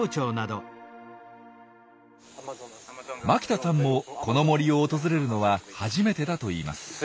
牧田さんもこの森を訪れるのは初めてだといいます。